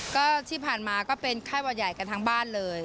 ก็ที่ผ่านมาก็เป็นไข้หวัดใหญ่กันทั้งบ้านเลย